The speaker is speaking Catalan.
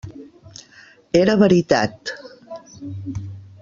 Era veritat.